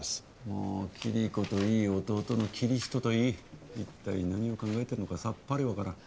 もうキリコといい弟のキリヒトといい一体何を考えてるのかさっぱり分からん